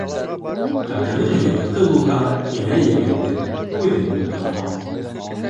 Ҡатының йыбытҡы булһа, энә-ебеңде үҙең тоторһоң.